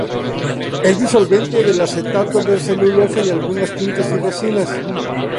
Es disolvente del acetato de celulosa y algunas tintas y resinas.